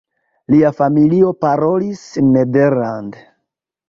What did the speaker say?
Lia familio parolis nederlande.